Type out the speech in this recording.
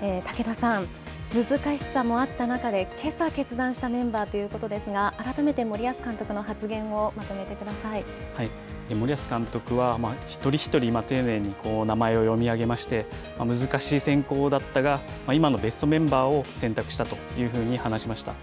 武田さん、難しさもあった中でけさ決断したメンバーということですが、改めて森保監督の発言を森保監督は、一人一人、丁寧に名前を読み上げまして難しい選考だったが、今のベストメンバーを選択したというふうに話しました。